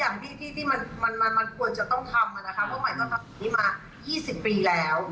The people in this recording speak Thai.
มันควรจะต้องทำมันนะคะเพราะไหมก็ทำนี้มา๒๐ปีแล้ว